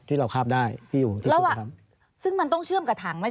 ที่เราคาบได้ที่อยู่ที่สุดครับ